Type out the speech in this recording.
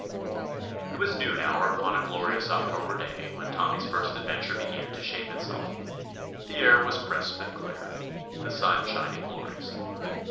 It was noon hour upon a glorious October day when Tommy's first ad venture began to shape itself. The 68 TOMMY POSTOFFICE air was crisp and clear, the sun shining gloriously.